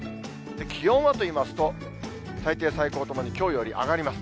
気温はといいますと、最低、最高ともにきょうより上がります。